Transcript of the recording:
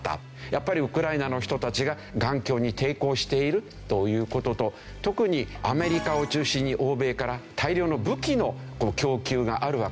やっぱりウクライナの人たちが頑強に抵抗しているという事と特にアメリカを中心に欧米から大量の武器の供給があるわけですね。